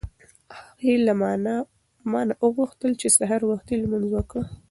هغې له ما نه وغوښتل چې سهار وختي لمونځ وکړه.